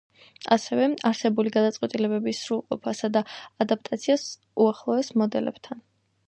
ასევე, არსებული გადაწყვეტილებების სრულყოფასა და ადაპტაციას უახლეს მოდელებთან.